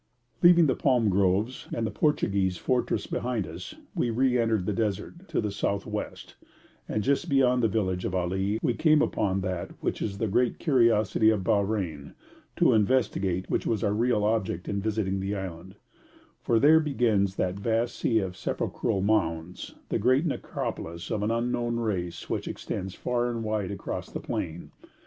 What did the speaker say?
Leaving the palm groves and the Portuguese fortress behind us, we re entered the desert to the south west; and, just beyond the village of Ali, we came upon that which is the great curiosity of Bahrein, to investigate which was our real object in visiting the island: for there begins that vast sea of sepulchral mounds, the great necropolis of an unknown race which extends far and wide across the plain.